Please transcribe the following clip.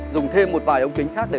dùng thêm một vài ống kính khác để